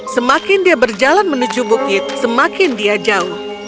semakin dia berjalan menuju bukit semakin dia jauh